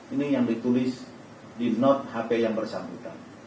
ini yang ditulis di not hp yang bersangkutan